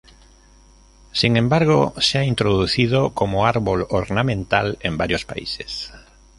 Sin embargo, se ha introducido como árbol ornamental en varios países.